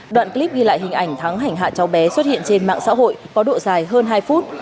đoạn clip ghi lại hình ảnh thắng hành hạ cháu bé xuất hiện trên mạng xã hội có độ dài hơn hai phút